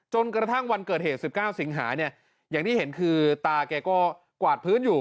จนกระทั่งวันเกิดเหตุ๑๙สิงหาเนี่ยอย่างที่เห็นคือตาแกก็กวาดพื้นอยู่